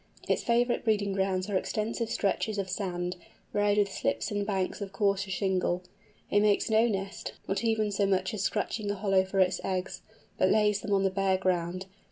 Its favourite breeding grounds are extensive stretches of sand, varied with slips and banks of coarser shingle. It makes no nest, not even so much as scratching a hollow for its eggs, but lays them on the bare ground.